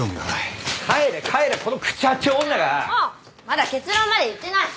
まだ結論までいってないし。